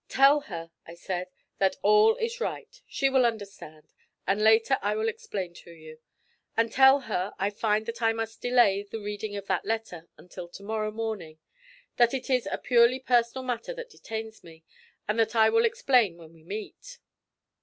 'Tell her,' I said, 'that all is right. She will understand; and later I will explain to you. And tell her I find that I must delay the reading of that letter until to morrow morning; that it is a purely personal matter that detains me, and that I will explain when we meet.'